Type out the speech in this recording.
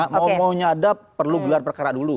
mau mau nyadap perlu gelar perkara dulu